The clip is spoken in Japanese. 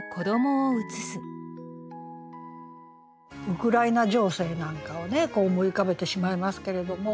ウクライナ情勢なんかをね思い浮かべてしまいますけれども。